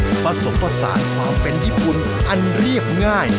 นักภาวะประสานความเป็นญี่ปุ่นอันเรียกง่าย